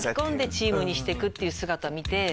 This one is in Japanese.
チームにしてくって姿見て。